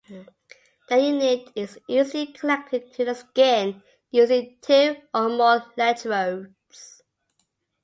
The unit is usually connected to the skin using two or more electrodes.